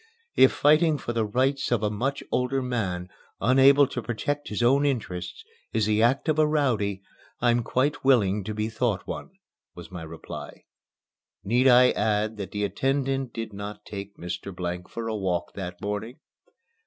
"If fighting for the rights of a much older man, unable to protect his own interests, is the act of a rowdy, I'm quite willing to be thought one," was my reply. Need I add that the attendant did not take Mr. Blank for a walk that morning?